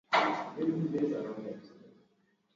aa hawapo basi afrika kusini watawa